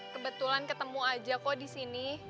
kebetulan ketemu aja kok di sini